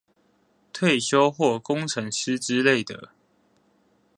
退休或工程師之類